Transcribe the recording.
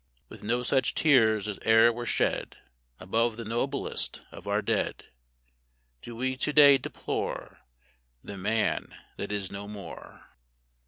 With no such tears as e'er were shed Above the noblest of our dead Do we to day deplore The Man that is no more.